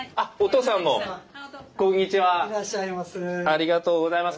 ありがとうございます。